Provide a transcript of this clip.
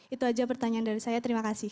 itu aja pertanyaan dari saya terima kasih